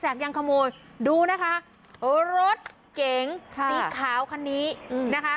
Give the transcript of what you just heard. อยากยังขโมยดูนะคะโอ้รถเก่งค่ะสีขาวคันนี้อืมนะคะ